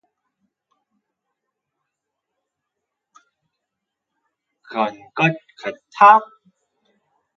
그런 것 같아?